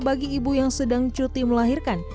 bagi ibu yang sedang cuti melahirkan